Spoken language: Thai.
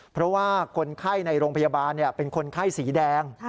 เพราะว่าคนไข้ในโรงพยาบาลเป็นคนไข้สีแดง